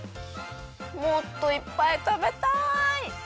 もっといっぱいたべたい！